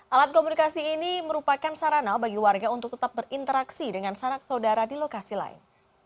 alat komunikasi ini merupakan sarana bagi warga untuk tetap berinteraksi dengan sanak saudara di lokasi lain